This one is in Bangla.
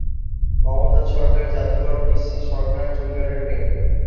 মমতাজ সরকার যাদুকর পিসি সরকার জুনিয়রের মেয়ে।